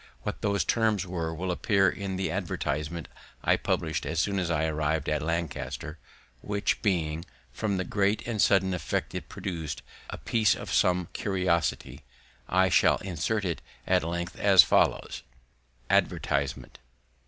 What those terms were will appear in the advertisement I publish'd as soon as I arriv'd at Lancaster, which being, from the great and sudden effect it produc'd, a piece of some curiosity, I shall insert it at length, as follows: "Advertisement.